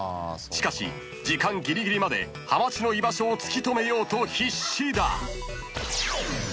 ［しかし時間ギリギリまではまちの居場所を突き止めようと必死だ］